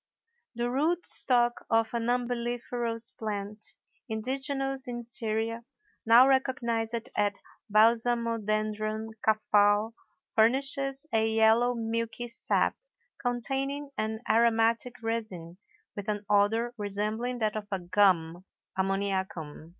The root stock of an umbelliferous plant, indigenous in Syria, now recognized at Balsamodendron Kafal, furnishes a yellow milky sap containing an aromatic resin with an odor resembling that of gum ammoniacum.